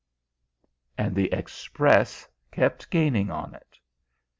And the Express kept gaining on it.